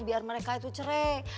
biar mereka itu cerai